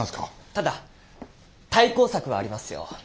ただ対抗策はありますよ。